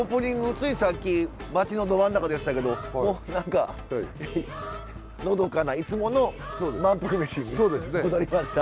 ついさっき街のど真ん中でやってたけどもう何かのどかないつもの「まんぷくメシ！」に戻りました。